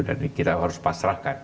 dan kita harus pasrahkan